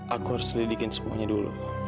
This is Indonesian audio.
aku harus lidikin semuanya dulu